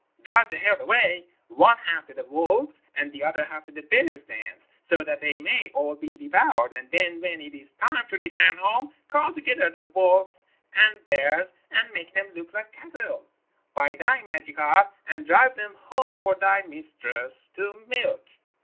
Drive the herd away, one half to the wolves' and the other half to the bears' dens, so that they may all be devoured. And then when it is time to return home call together the wolves and bears and make them look like cattle, by thy magic art, and drive them home for thy mistress to milk.